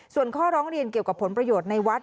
ส่วนข้อร้องเรียนเกี่ยวกับผลประโยชน์ในวัด